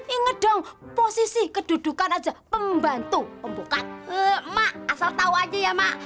inget dong posisi kedudukan aja pembantu pembuka emak asal tahu aja ya